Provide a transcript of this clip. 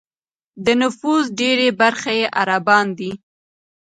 د نفوس ډېری برخه یې عربان دي.